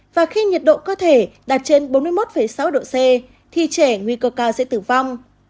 và khi nhiệt độ cơ thể đạt trên bốn mươi một sáu độ c thì trẻ nguy cơ cao sẽ tử vong